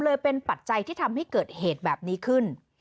เลยเป็นปัจจัยที่ทำให้เกิดเหตุแบบนี้ขึ้น